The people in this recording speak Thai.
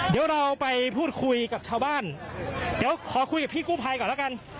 เดี๋ยวเราไปพูดคุยกับชาวบ้านเดี๋ยวขอคุยกับพี่กู้ภัยก่อนแล้วกัน